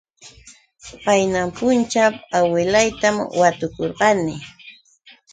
Qayna punćhaw awilaytam watukurqani.